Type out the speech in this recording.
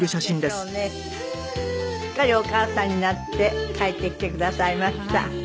すっかりお母さんになって帰ってきてくださいました。